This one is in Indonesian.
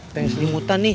pengis di hutan nih